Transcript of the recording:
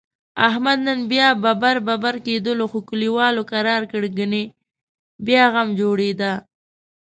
احمد نن بیا ببر ببر کېدلو، خو کلیوالو کرارکړ؛ گني بیا غم جوړیدا.